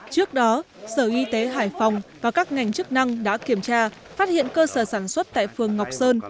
trước đó sở y tế hải phòng và các ngành chức năng đã kiểm tra phát hiện cơ sở sản xuất tại phường ngọc sơn